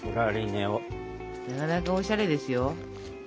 なかなかおしゃれですよ。